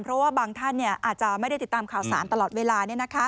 เพราะว่าบางท่านอาจจะไม่ได้ติดตามข่าวสารตลอดเวลา